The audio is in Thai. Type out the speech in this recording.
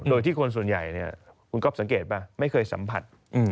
โดยที่คนส่วนใหญ่เนี่ยคุณก๊อฟสังเกตป่ะไม่เคยสัมผัส